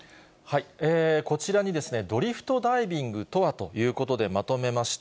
こちらにドリフトダイビングとはということで、まとめました。